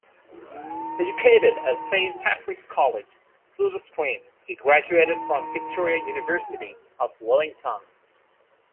Educated at Saint Patrick's College, Silverstream, he graduated from Victoria University of Wellington.